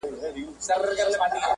چې په زیړي مازیګر نجونې د ګودر نه لاړې